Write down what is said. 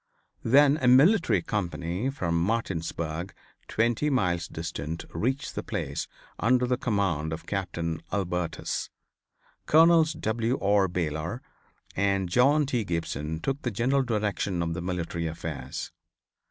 Then a military company from Martinsburg twenty miles distant reached the place, under the command of Captain Alburtis. Colonels W. R. Baylor and John T. Gibson took the general direction of the military affairs.